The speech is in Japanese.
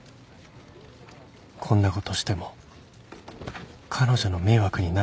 こんなことしても彼女の迷惑になるだけなのに